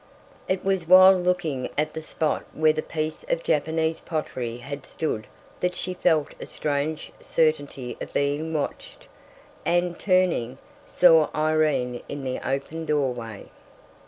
It was while looking at the spot where the piece of Japanese pottery had stood that she felt a strange certainty of being watched, and, turning, saw Irene in the open doorway.